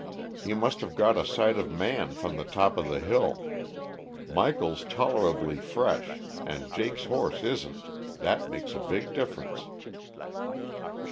He must have got a sight of Man from the top of the hill. Michael's tolerably fresh, and Jake's horse isn't; that makes a big difference."